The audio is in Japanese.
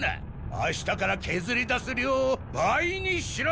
明日から削り出す量を倍にしろ！